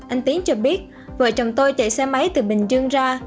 anh tiến cho biết vợ chồng tôi chạy xe máy từ bình dương ra